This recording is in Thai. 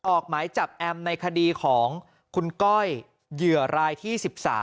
ออกหมายจับแอมในคดีของคุณก้อยเหยื่อรายที่๑๓